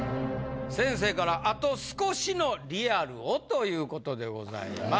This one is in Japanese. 先生から「あと少しのリアルを！」という事でございます。